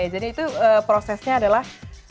jadi itu prosesnya adalah